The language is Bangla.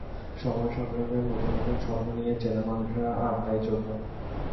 সময়ের সঙ্গে সঙ্গে নতুন নতুন স্বপ্ন নিয়ে চেনা মানুষেরা আড্ডায় যোগ হয়।